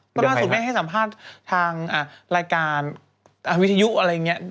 เพราะล่าสุดแม่ให้สัมภาษณ์ทางรายการวิทยุอะไรอย่างนี้